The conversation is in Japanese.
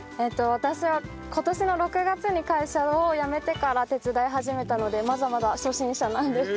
私は今年の６月に会社を辞めてから手伝い始めたのでまだまだ初心者なので。